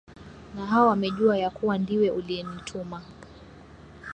na hao wamejua ya kuwa ndiwe uliyenituma